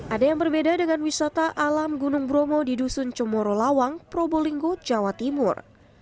ada yang berbeda dengan wisata alam gunung bromo di dusun cemoro lawang probolinggo jawa timur